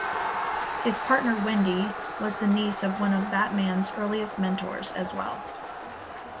His partner Wendy was the niece of one of Batman's earliest mentors as well.